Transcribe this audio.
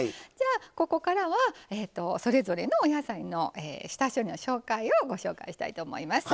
ここからは、それぞれのお野菜の下処理の紹介をご紹介したいと思います。